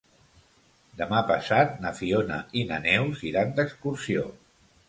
Demà passat na Fiona i na Neus iran d'excursió.